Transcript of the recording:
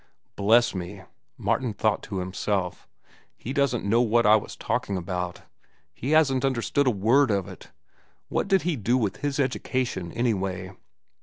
Bless me, Martin thought to himself, he doesn't know what I was talking about. He hasn't understood a word of it. What did he do with his education, anyway?